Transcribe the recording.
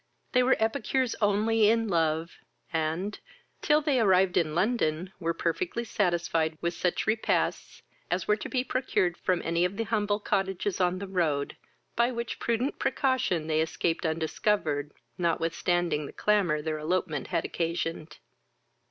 They were epicures only in love, and, till they arrived in London, were perfectly satisfied with such repasts as were to be procured from any of the humble cottages on the road, by which prudent precaution they escaped undiscovered, notwithstanding the clamour their elopement had occasioned.